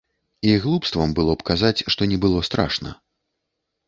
І глупствам было б казаць, што не было страшна.